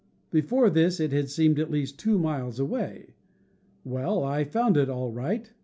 Before this it had seemed at least two miles away. Well, I found it, all right.